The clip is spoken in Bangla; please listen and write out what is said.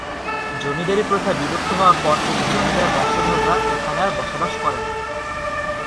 জমিদারী প্রথা বিলুপ্ত হওয়ার পর থেকে জমিদার বংশধররা এখানে আর বসবাস করেন না।